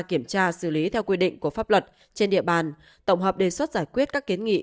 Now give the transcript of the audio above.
kiểm tra xử lý theo quy định của pháp luật trên địa bàn tổng hợp đề xuất giải quyết các kiến nghị